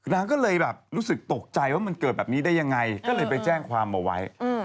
นางก็เลยแบบรู้สึกตกใจว่ามันเกิดแบบนี้ได้ยังไงก็เลยไปแจ้งความเอาไว้